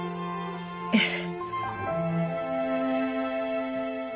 ええ。